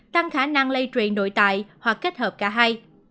tăng khả năng lây truyền nội tại hoặc kết hợp cả hai